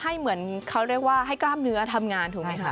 เหมือนเขาเรียกว่าให้กล้ามเนื้อทำงานถูกไหมคะ